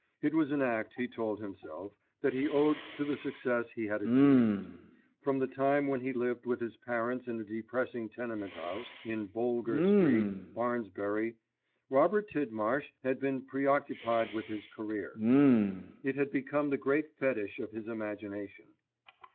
It was an act, he told himself, that he owed to the success he had achieved. From the time when he lived with his parents in a depressing tenement house in Boulger Street, Barnsbury, Robert Tidmarsh had been preoccupied with his career. It had become the great fetish of his imagination.